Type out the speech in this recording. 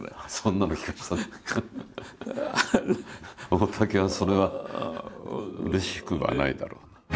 大滝はそれはうれしくはないだろう。